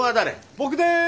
僕です！